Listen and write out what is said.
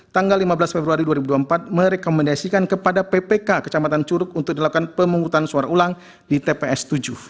tanggal lima belas februari dua ribu dua puluh empat merekomendasikan kepada ppk kecamatan curug untuk dilakukan pemungutan suara ulang di tps tujuh